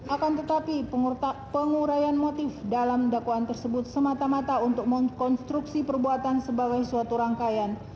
akan tetapi pengurayan motif dalam dakwaan tersebut semata mata untuk mengkonstruksi perbuatan sebagai suatu rangkaian